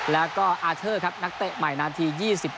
แล้วก็อาเทอร์ครับนักเตะใหม่นาที๒๗